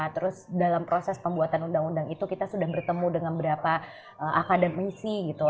terus dalam proses pembuatan undang undang itu kita sudah bertemu dengan beberapa akademisi gitu